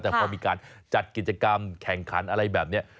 แต่พอมีการจัดกิจกรรมแข่งขันอะไรแบบนี้